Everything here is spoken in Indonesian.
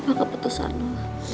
apa keputusan lo